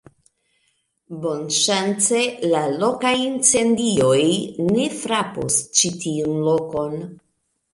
bonŝance la lokaj incendioj ne frapos ĉi tiun lokon.